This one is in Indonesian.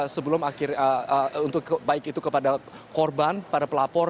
sebelum akhir untuk baik itu kepada korban pada pelapor